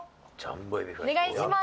お願いします。